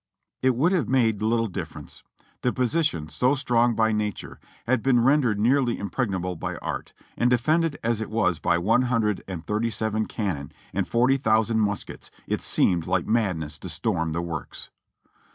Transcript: It would have made little difference ; the position, so strong by nature, had been rendered nearly impregnable by art, and de fended as it was by one hundred and thirty five cannon and forty thousand muskets, it seemed like madness to storm the works.